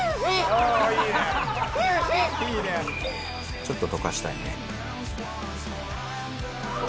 ちょっと溶かしたいね。